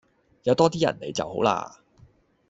有多啲人嚟就好嘞